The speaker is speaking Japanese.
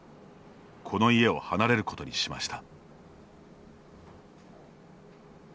この家を離れることにしました。